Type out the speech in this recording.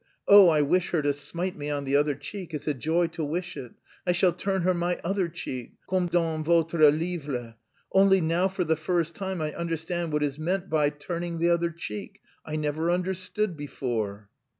Oh, I wish her to smite me on the other cheek; it's a joy to wish it! I shall turn her my other cheek comme dans votre livre! Only now for the first time I understand what is meant by... turning the other cheek. I never understood before!"